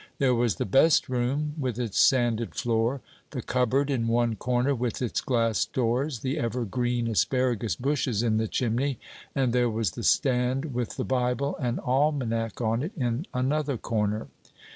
There was the "best room," with its sanded floor, the cupboard in one corner with its glass doors, the ever green asparagus bushes in the chimney, and there was the stand with the Bible and almanac on it in another corner.